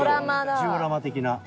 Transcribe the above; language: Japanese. ジオラマ的な。